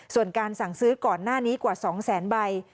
ส่วนการสั่งซื้อก่อนหน้านี้กว่า๒แสนใบ